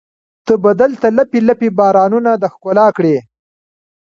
ته به دلته لپې، لپې بارانونه د ښکلا کړي